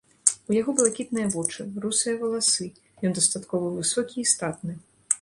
У яго блакітныя вочы, русыя валасы, ён дастаткова высокі і статны.